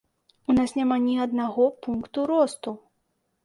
У нас няма ні аднаго пункту росту.